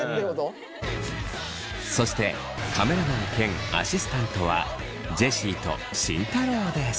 そしてカメラマン兼アシスタントはジェシーと慎太郎です。